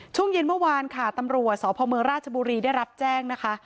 ช่วงเย็นเมื่อวานค่ะตำรวจสพเมืองราชบุรีได้รับแจ้งนะคะ